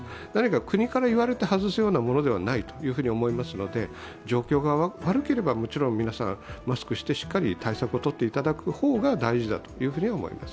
国から言われて外すようなものではないと思いますので状況が悪ければもちろん皆さんマスクしてしっかり対策をとっていただく方が大事だと思います。